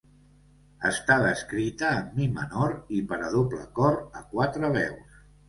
Està escrita en mi menor i per a doble cor a quatre veus.